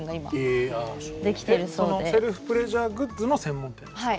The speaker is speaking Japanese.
えっそのセルフプレジャーグッズの専門店ですか？